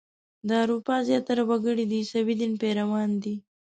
د اروپا زیاتره وګړي د عیسوي دین پیروان دي.